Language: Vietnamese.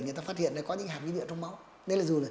người ta phát hiện có những hạt vi nhựa trong máu